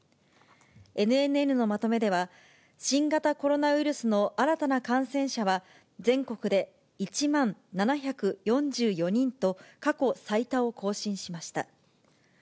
ＮＮＮのまとめでは、新型コロナウイルスの新たな感染者は、全国で１万７４４人と過去最多を更新しました。